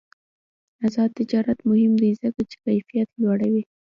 آزاد تجارت مهم دی ځکه چې کیفیت لوړوي.